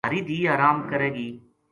مھاری دِھی ارام کرے گی“